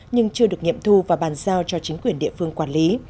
nhưng chưa được nghiệm thu và bàn giao cho chính quyền địa phương quản lý